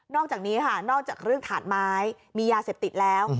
อกจากนี้ค่ะนอกจากเรื่องถาดไม้มียาเสพติดแล้ว